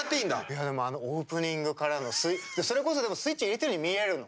いやでもあのオープニングからのそれこそスイッチ入れてるように見えるの。